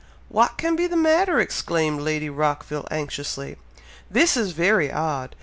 "What can be the matter?" exclaimed Lady Rockville, anxiously. "This is very odd!